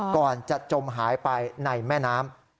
ก่อนจะจมหายไปในแม่น้ำ